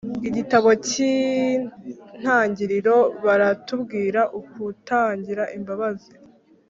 igitabo cy’intangiriro baratubwira ukutagira imbabazi